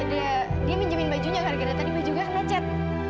dia minjemin bajunya karena tadi bajunya kena cat